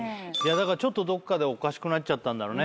ちょっとどっかでおかしくなっちゃったんだろうね。